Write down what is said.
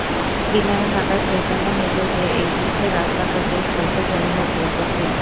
বিনয়ের হঠাৎ চৈতন্য হইল যে, এই দৃশ্যে রাস্তার লোকে কৌতুক অনুভব করিতেছে।